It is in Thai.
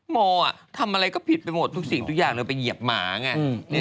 โมทำอะไรก็ผิดไปหมดทุกสิ่งทุกอย่างเลยไปเหยียบหมาไง